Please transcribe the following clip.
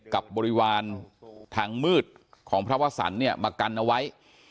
บริวารทางมืดของพระวสันเนี่ยมากันเอาไว้